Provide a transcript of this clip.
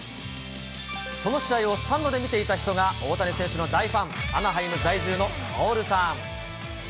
その試合をスタンドで見ていた人が、大谷選手の大ファン、アナハイム在住のカオルさん。